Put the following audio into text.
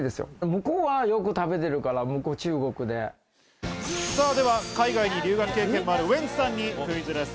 向こうはよく食べてるから、海外に留学経験もあるウエンツさんにクイズです。